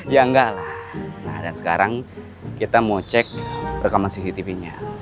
ya enggak lah nah dan sekarang kita mau cek rekaman cctv nya